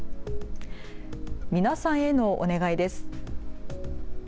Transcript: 皆さんへのお願いです。